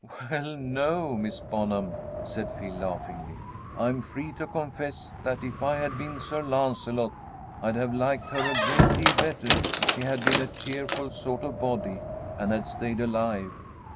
"Well, no, Miss Bonham," said Phil, laughingly. "I'm free to confess that if I had been Sir Lancelot, I'd have liked her a great deal better if she had been a cheerful sort of body, and had stayed alive.